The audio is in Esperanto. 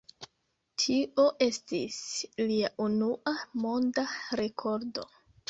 Tio estis lia unua monda rekordo.